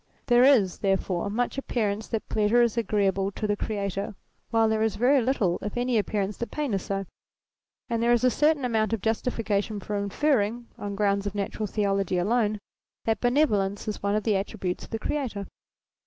There is, therefore, much appearance that pleasure is agreeable to the Creator, while there is very little if any appearance that pain is so : and there is a certain amount of justification for inferring, on grounds of Natural Theology alone, that benevolence is one of the attri butes of the Creator.